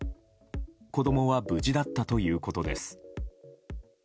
子供は無事だったということです。